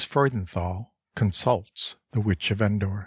FREUDENTHAL CONSULTS THE WITCH OF ENDOR